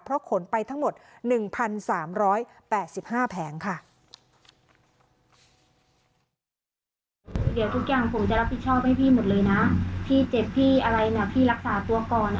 เพราะขนไปทั้งหมด๑๓๘๕แผงค่ะ